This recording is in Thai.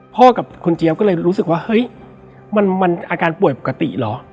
กับคุณเจี๊ยบก็เลยรู้สึกว่าเฮ้ยมันอาการป่วยปกติเหรอ